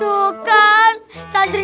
wow kenyal bang durr